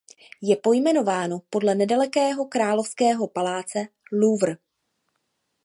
Je pojmenováno podle nedalekého královského paláce Louvre.